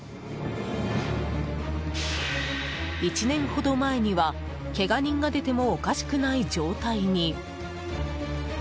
１年ほど前にはけが人が出てもおかしくない状態に。